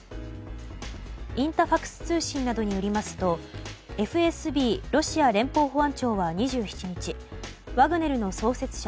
インタファクス通信などによりますとＦＳＢ・ロシア連邦保安庁は２７日ワグネルの創設者